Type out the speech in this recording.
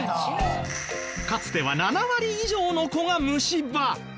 かつては７割以上の子が虫歯！